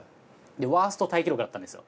ワーストタイ記録だったんですよ。